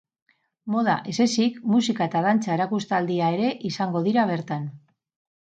Moda ez ezik, musika eta dantza erakustaldia ere izango dira bertan.